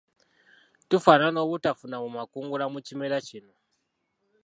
Tufaanana obutafunamu makungula mu kimera kino.